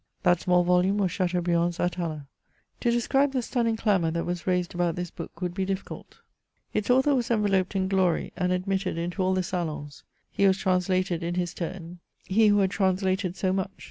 That small volume was Chateaubriand's Atala. To describe the stunning clamour that was raised about this book would be difficult. Its author was enveloped in glory, and admitted into all the salons. He was translated in his turn — ^he who had translated so much.